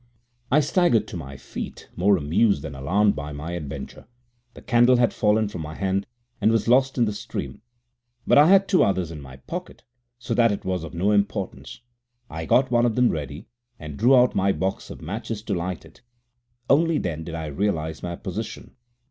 < 7 > I staggered to my feet again, more amused than alarmed by my adventure. The candle had fallen from my hand, and was lost in the stream, but I had two others in my pocket, so that it was of no importance. I got one of them ready, and drew out my box of matches to light it. Only then did I realize my position.